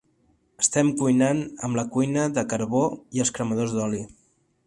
Estem cuinant amb la cuina de carbó i els cremadors d'oli.